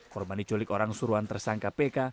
korban diculik orang suruhan tersangka pk